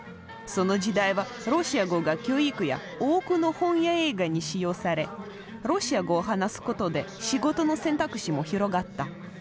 その時代はロシア語が教育や多くの本や映画に使用されロシア語を話すことで仕事の選択肢も広がった。